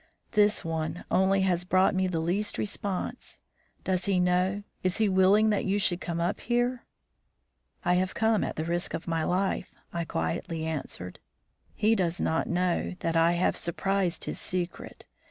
This one only has brought me the least response. Does he know? Is he willing that you should come up here?" "I have come at the risk of my life," I quietly answered. "He does not know that I have surprised his secret.